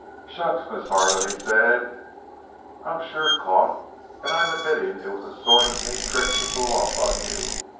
"Shucks, Miss Harlan," he said. "I'm sure caught; and I'm admitting it was a sort of mean trick to pull off on you.